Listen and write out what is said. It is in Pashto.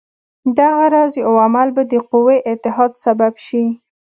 دغه راز یو عمل به د قوي اتحاد سبب شي.